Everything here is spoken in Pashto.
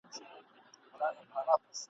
د سروګلونو غوټۍ به واسي ..